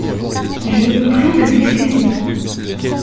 Je vous prie de m’excuser.